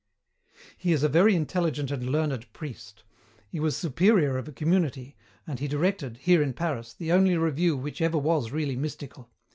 "He is a very intelligent and learned priest. He was superior of a community, and he directed, here in Paris, the only review which ever was really mystical.